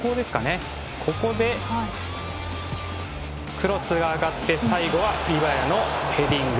クロスが上がって最後はリバヤのヘディング。